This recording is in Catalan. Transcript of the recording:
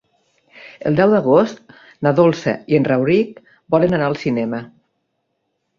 El deu d'agost na Dolça i en Rauric volen anar al cinema.